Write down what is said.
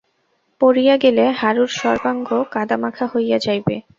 পড়িয়া গেলে হারুর সর্বাঙ্গ কাদামাখা হইয়া যাইবে।